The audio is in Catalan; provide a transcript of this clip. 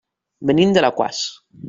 Venim d'Alaquàs.